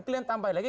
kalian tambahin lagi